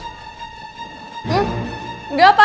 hmm enggak apa